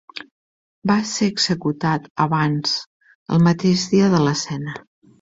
Va ser executat abans, el mateix dia de l'escena.